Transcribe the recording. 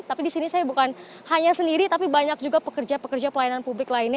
tapi di sini saya bukan hanya sendiri tapi banyak juga pekerja pekerja pelayanan publik lainnya